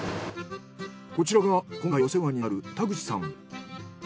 こちらが今回お世話になる田口さん。